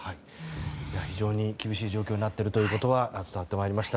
非常に厳しい状況になっているということは伝わってまいりました。